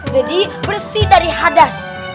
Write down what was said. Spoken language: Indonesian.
jadi bersih dari hadas